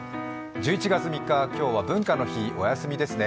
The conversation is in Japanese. １１月３日、今日は文化の日、お休みですね。